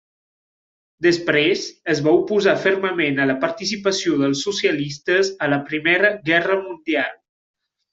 Després es va oposar fermament a la participació dels socialistes a la Primera Guerra mundial.